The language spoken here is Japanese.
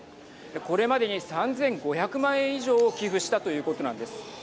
これまでに３５００万円以上を寄付したということなんです。